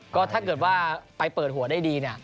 ก็ถ้าเกิดว่าไปเปิดหัวได้ดีเนี่ย